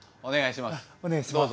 お願いします。